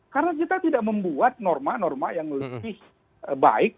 karena kita tidak membuat norma norma yang lebih baik